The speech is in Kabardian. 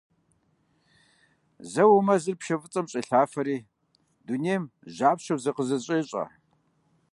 Зэуэ мазэр пшэ фӀыцӀэм щӀелъафэри, дунейм жьапщаеу зыкъызэщӀещӀэ.